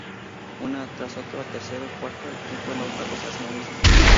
Uno tras otro, el tercero, cuarto y quinto náufragos hacen lo mismo.